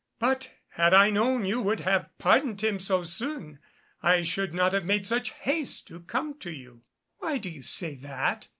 But had I known you would have pardoned him so soon, I should not have made such haste to come to you." "Why do you say that?"